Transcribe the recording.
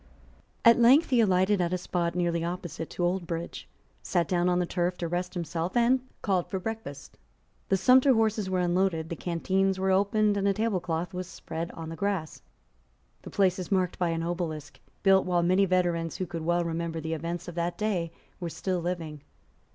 At length he alighted at a spot nearly opposite to Oldbridge, sate down on the turf to rest himself, and called for breakfast. The sumpter horses were unloaded: the canteens were opened; and a tablecloth was spread on the grass. The place is marked by an obelisk, built while many veterans who could well remember the events of that day were still living.